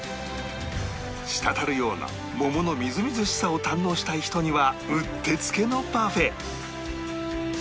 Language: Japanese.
したたるような桃のみずみずしさを堪能したい人にはうってつけのパフェ